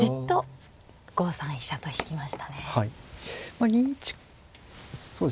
まあ２一そうですね